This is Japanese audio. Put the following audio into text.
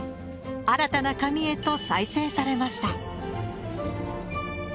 新たな紙へと再生されました。